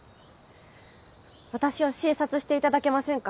私を診察して頂けませんか？